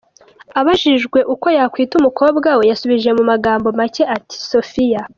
Abajijwe uko yakwita umukobwa we, yasubije mu magambo makeya ati “Sophia”.